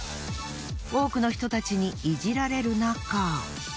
多くの人たちにいじられるなか。